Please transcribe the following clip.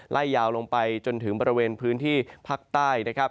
ไล่ยาวลงไปจนถึงบริเวณพื้นที่ภาคใต้นะครับ